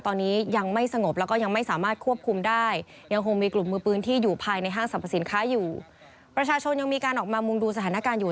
ทางสรรพสินค้าอยู่ประชาชนยังมีการออกมามุมดูสถานการณ์อยู่